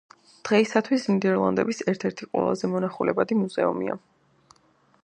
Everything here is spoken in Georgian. დღეისათვის ნიდერლანდების ერთ-ერთი ყველაზე მონახულებადი მუზეუმია.